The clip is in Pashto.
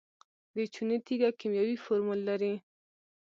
د چونې تیږه کیمیاوي فورمول لري.